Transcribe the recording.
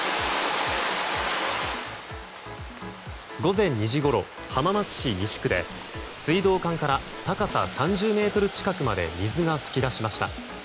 午前２時ごろ浜松市西区で水道管から高さ３０ｍ近くまで水が噴き出しました。